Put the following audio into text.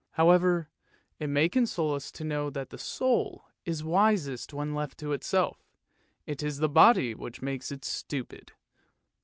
However, it may console us to know that the soul is wisest when left to itself; it is the body which makes it stupid.